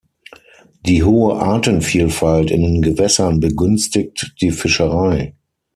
Die hohe Artenvielfalt in den Gewässern begünstigt die Fischerei.